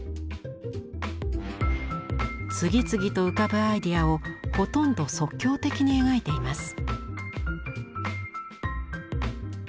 次々と浮かぶアイデアをほとんど即興的に描いています。